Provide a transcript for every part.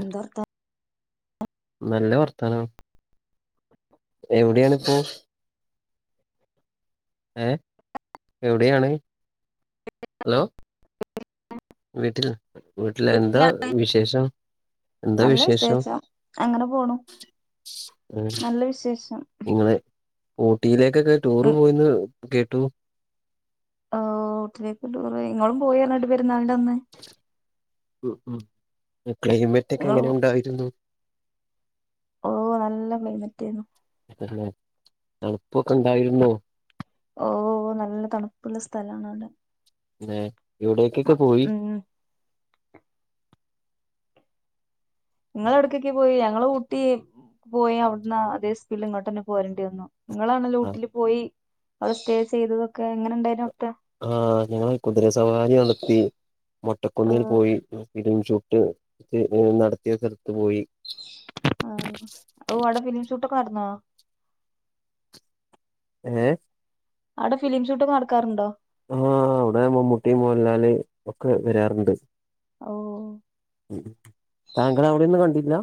എന്താർത്തം നല്ല വർത്താനം എവിടെയാണിപ്പോ ഏ എവിടെയാണ് ഹലോ വീട്ടിൽ വീട്ടില് എന്താ വർത്താനം വിശേഷം എന്താ നല്ല വിശേഷം അങ്ങനെ പോണു നല്ല വിശേഷം നിങ്ങള് ഊട്ടിയിലെ ലെക്കൊക്കെ ടൂറ് ഉം പോയിന്ന് കേട്ടു ഓ ഊട്ടിയിലേക്ക് ടൂർ പോയി ഇങ്ങളും പോയി പറഞ്ഞത് [unintelligible] നടന്ന് ഉം ഉം ക്ലൈമറ്റ് ഒക്കെ എങ്ങനെ ഉണ്ടായിരുന്നു ഓ നല്ല ക്ലൈമറ്റ് ആയിരുന്നു പിന്നെ തണുപ്പൊക്കെ ഇണ്ടായിരുന്നോ ഓ നല്ല തണുപ്പുള്ള സ്ഥലാണ് [unintelligible] എവിടേക്കൊക്കെ മ- പോയി ഉം നിങ്ങള് എടെക്കൊക്കെ പോയി ഞങ്ങള് ഊട്ടി പോയി അവിടുന്ന് അതേ സ്പീഡിൽ ഇങ്ങോട്ട് തന്നെ പോരേണ്ടി വന്നു നിങ്ങളാണെ ആ ഊട്ടിയിൽ പോയി അവടെ സ്റ്റേ ചെയ്തതൊക്കെ എങ്ങനെ ഉണ്ടായിരുന്നു അവിടുത്തെ ആഹ ഞങ്ങൾ കുതിര സവാരി നടത്തി ഓ മൊട്ടക്കുന്നിൽ പോയി ഫിലിം ഷൂട്ട് നടത്തിയ സ്ഥലത്ത് പോയി ആഹ അവിടെ ഫിലിംഷൂട്ടൊക്കെ നടന്നോ ഏ അവിടെ ഫിലിം ഷൂട്ട് നടക്കാറുണ്ടോ ആ അവിടെ മമ്മൂട്ടി മോഹൻലാല് ഒക്കെ വരാറുണ്ട് ഓ ഉം. താങ്കൾ അവിടെയൊന്നും കണ്ടില്ല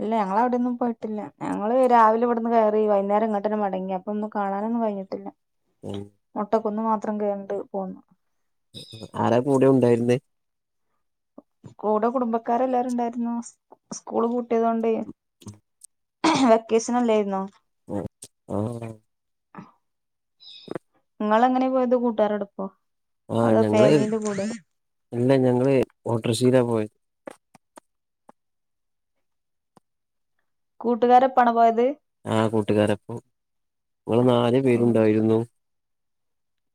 ഇല്ല ഞങ്ങള് അവിടൊന്നും പോയിട്ടില്ല ങ്ങങ്ങള് രാവിലിവിടുന്ന് കയറി വൈന്നേരം ഇങ്ങോട്ടെന്നെ മടങ്ങി അപ്പൊന്നും കാണാനൊന്നും കഴിഞ്ഞിട്ടില്ല [unintelligible] കുന്ന് മാത്രം കേറിണ്ട് പോന്നു ആരാ കൂടെ ഉണ്ടായിരുന്നെ കൂടെ കുടുംബക്കാരെല്ലാരും ഉണ്ടായിരുന്നു സ്കൂള് പൂട്ടിയതൊണ്ടെ വെക്കേഷൻ അല്ലായിരുന്നോ ആ നിങ്ങൾ എങ്ങനെയാ പോയത് കൂട്ടുകാരൊടൊപ്പമോ ആ ഞങ്ങള് ഇല്ല ഞങ്ങള് ഓട്ടറ ഷേ ജീരാപയി [unintelligible] കൂട്ടുകാരൊപ്പമാണോ പോയത് ആ കൂട്ടുകാരപ്പൊ ഞങ്ങൾ നാല് പേരുണ്ടായിരുന്നു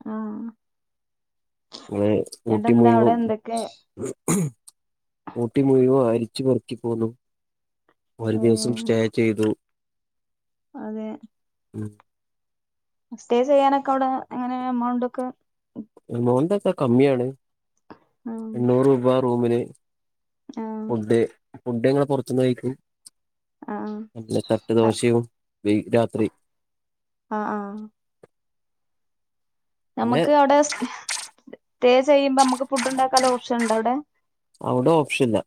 ആ ആ ഊട്ടി മുഴുവും എന്തൊക്കെ ഊട്ടി മുഴുവ ആയി പറക്കി പോന്നു [unintelligible] ഒരു ദിവസം ഏഹ് സ്റ്റേ ചെയ്തു അതെ ഉം സ്റ്റേ ചെയ്യാനൊക്കെ അവിടെ എങ്ങനെ എമൗണ്ട് ഒക്കെ മോന്തക്ക കമ്മിയാണ് ആഹ് എണ്ണൂറ് രൂപാ റൂമിന് ആഹ് ഫുഡ് ഫുഡ് ഞങ്ങൾ പുറത്തു നിന്ന് കഴിക്കും ആഹ് നല്ല തട്ടു ദോശയും [unintelligible] രാത്രി ആഹ് ആഹ് പിന്നെ നമ്മുക്ക് അവിടെ സ്‌റ്റേ ചെയ്യുമ്പോ നമുക്ക് ഫുഡ് ഉണ്ടാക്കാ ഓപ്ഷനുണ്ടോ അവിടെ അവിടെ ഓപ്ഷൻ ഇല്ല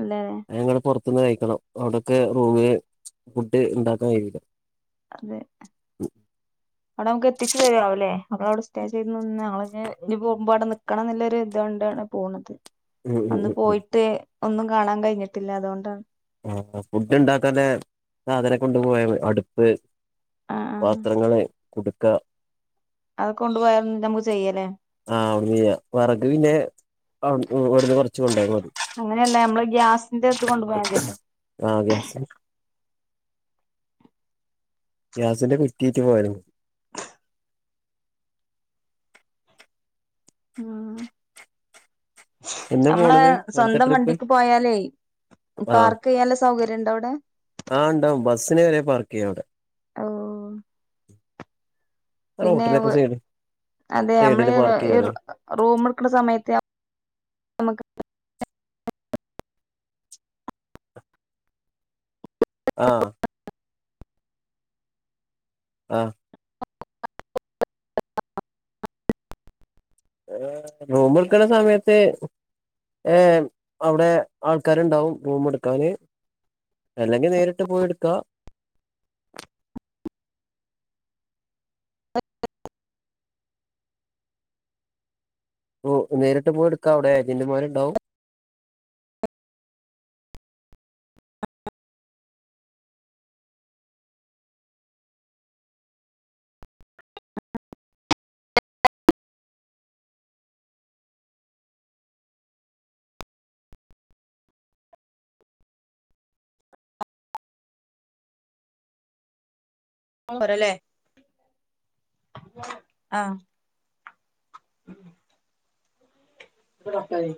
ഇല്ലല്ലേ ഞങ്ങള് പുറ പുറത്ത് ന്ന് കഴിക്കണം അവിടൊക്കെ റൂമില് ഫുഡ് ഉണ്ടാക്കാൻ കഴിയില്ല അതെ അവിടെ നമുക്ക് എത്തിച്ച് തരുവല്ലേ അപ്പോ അവിടെ സ്റ്റേ ചെയ്ത് പോകുമ്പോ അവിടെ നിക്കണം എന്നുള്ളൊരു ഇതു കൊണ്ടാണ് പോണത് ഉം ഉം അന്ന് ഉം പോയിട്ട് ഒന്നും കാണാൻ കഴിഞ്ഞിട്ടില്ല അതുകൊണ്ടാണ് ആ ഫുഡ് ഉണ്ടാക്കാതെ സാധനം കൊണ്ടുപോയാ മതി അടുപ്പ് ആ ആ പാത്രങ്ങള് കൊടുക്കാ അത് കൊണ്ടുപോയ നമുക്ക് ചെയ്യല്ലേ ആ അവിടുന്ന് വിറക് പിന്നെ അവിടുന്ന് കുറച്ച് കൊണ്ട് പോയാ മതി എന്തത്ത് കൊണ്ട് പോയ മതിയല്ലോ ആഹ് ഗ്യാസ് ഗ്യാസിന്റെ കുറ്റിയായിട്ട് പോയാരുന്നു ഉം എന്നാ നമ്മടെ പോണത് അടുത്ത സ്വന്തം ട്രിപ്പ് വണ്ടിക്ക് പോയാലേ പാർക്ക് ചെയ്യാനുള്ള സൗകര്യം എവിടെ ആ ഉണ്ടാവും ബസിന് വരെ പാർക്ക് ചെയ്യാം അവിടെ ഓ പിന്നെ റോട്ടിലൊക്കെ സൈഡ് അതെ നമ്മള് സൈഡില് പാർക്ക് ഈ ചെയ്യാലോ റൂം എടുക്കണ സമയത്ത് നമക്ക് [unintelligible] ആ ആ റൂം എടുക്കണ സമയത്ത് ഏ അവിടെ ആൾക്കാരുണ്ടാവും റൂം എടുക്കാന് അല്ലെങ്കി നേരിട്ട് പോയി എടുക്ക ഓ നേരിട്ട് പോയി എടുക്കാവിടെ ഏജന്റുമാരുണ്ടാവും ഓരല്ലേ ആ [unintelligible] യി